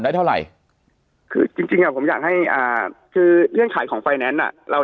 ได้เท่าไหร่จริงผมอยากให้คือเรื่องขายของไฟแนนซ์อ่ะเรา